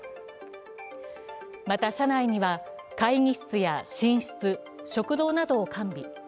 また車内には会議室や寝室、食堂などを完備。